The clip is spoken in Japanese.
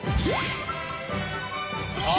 ああ！